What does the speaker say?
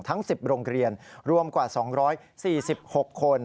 ทั้ง๑๐โรงเรียนรวมกว่า๒๔๖คน